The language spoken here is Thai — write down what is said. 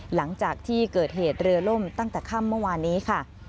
หลังจากที่เกิดเหตุเรือล่มตั้งแต่ค่ำเมื่อวานนี้ค่ะ